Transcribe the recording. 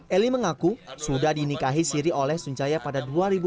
eli mengaku sudah dinikahi siri oleh sunjaya pada dua ribu empat belas